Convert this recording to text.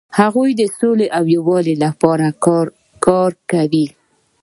هغوی د سولې او یووالي لپاره کار کاوه.